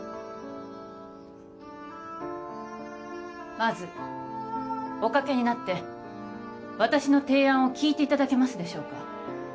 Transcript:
まずおかけになって私の提案を聞いていただけますでしょうか？